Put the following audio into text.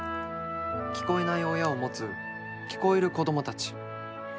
聞こえない親を持つ聞こえる子供たち。